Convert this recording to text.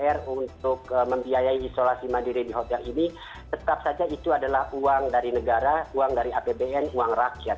ya karena kita sudah tahu bahwa anggaran tersebut adalah untuk membiayai isolasi mandiri di hotel ini tetap saja itu adalah uang dari negara uang dari apbn uang rakyat